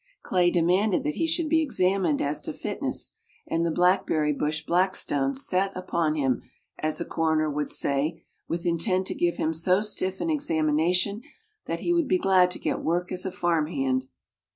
Clay demanded that he should be examined as to fitness, and the blackberry bush Blackstones sat upon him, as a coroner would say, with intent to give him so stiff an examination that he would be glad to get work as a farmhand.